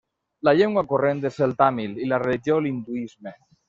La llengua corrent és el tàmil i la religió l'hinduisme.